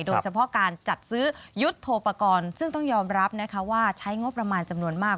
โดยเฉพาะการจัดซื้อยุทธโทปกรณ์ซึ่งต้องยอมรับนะคะว่าใช้งบประมาณจำนวนมาก